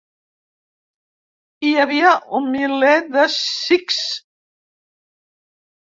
Hi havia un miler de sikhs.